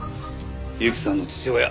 由季さんの父親。